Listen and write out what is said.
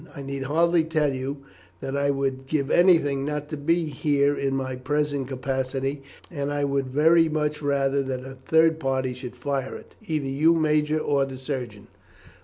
I need hardly tell you that I would give anything not to be here in my present capacity, and I would very much rather that a third party should fire it either your major or the surgeon."